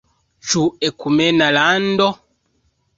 Ĉu ekumena lando?